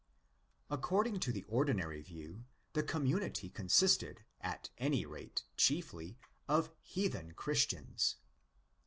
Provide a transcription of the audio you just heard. According to the ordinary view, the community consisted, at any rate chiefly, of '' heathen Christians."